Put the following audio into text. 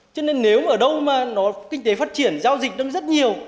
cho nên nếu ở đâu mà kinh tế phát triển giao dịch rất nhiều